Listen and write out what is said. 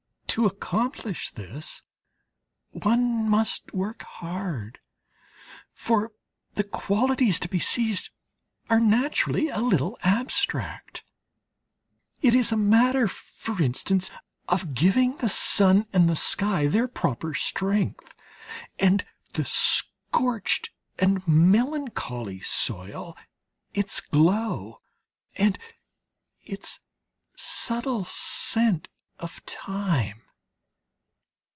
To accomplish this one must work hard, for the qualities to be seized are naturally a little abstract. It is a matter, for instance, of giving the sun and the sky their proper strength, and the scorched and melancholy soil its glow and its subtle scent of thyme.